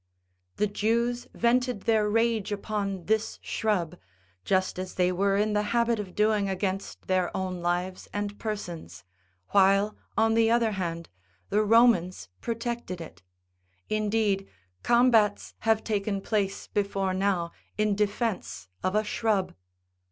The Jews vented their rage upon this shrub just as they were in the habit of doing against their own lives and persons, while, on the other hand, the Komans protected it : in deed, combats have taken place before now in defence of a shrub.